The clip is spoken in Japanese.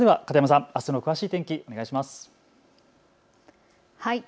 片山さん、あすの詳しい天気お願いします。